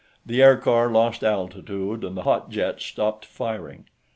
The aircar lost altitude, and the hot jet stopped firing.